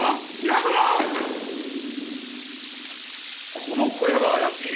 この小屋が怪しい。